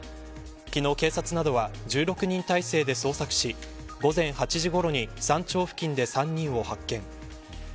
昨日、警察などは１６人態勢で捜索し午前８時ごろに山頂付近で３人を発見。